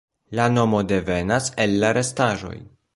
La nomo devenas el la restaĵoj.